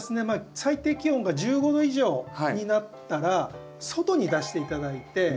まあ最低気温が１５℃以上になったら外に出して頂いて。